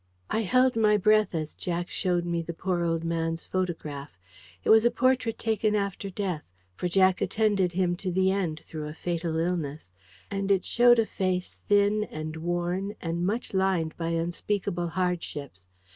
I held my breath as Jack showed me the poor old man's photograph. It was a portrait taken after death for Jack attended him to the end through a fatal illness; and it showed a face thin and worn, and much lined by unspeakable hardships.